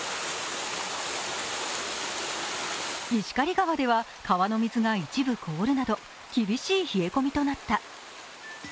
石狩川では川の水が一部凍るなど厳しい冷え込みとなった。